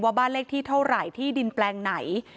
บ้านเลขที่เท่าไหร่ที่ดินแปลงไหน